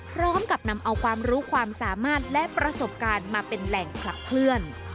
พร้อมกับนำเอาความรู้ความสามารถและประสบการณ์มาเป็นแหล่งผลักเคลื่อน